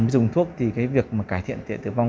dùng thuốc thì cái việc mà cải thiện tiện tử vong